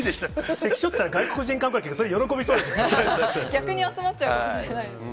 関所っていうのは外国人観光客、それ、逆に集まっちゃうかもしれないですね。